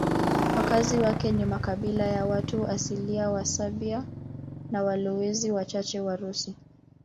Wakazi wake ni makabila ya watu asilia wa Siberia na walowezi wachache Warusi.